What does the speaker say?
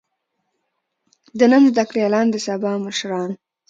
د نن زده کړيالان د سبا مشران.